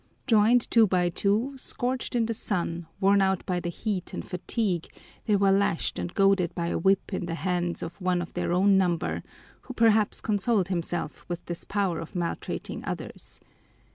Joined two by two, scorched in the sun, worn out by the heat and fatigue, they were lashed and goaded by a whip in the hands of one of their own number, who perhaps consoled himself with this power of maltreating others.